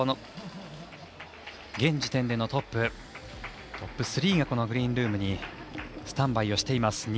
現時点でのトップ３がグリーンルームにスタンバイしています。